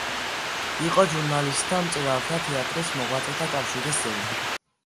იყო ჟურნალისტთა, მწერალთა, თეატრის მოღვაწეთა კავშირის წევრი.